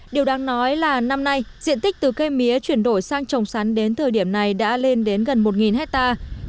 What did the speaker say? điều đáng nói là năm nay diện tích từ cây mía chuyển đổi sang trồng sắn đến thời điểm này đã lên đến gần một hectare